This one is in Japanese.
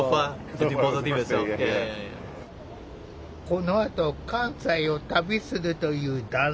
このあと関西を旅するという男性。